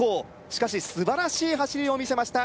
しかし素晴らしい走りを見せました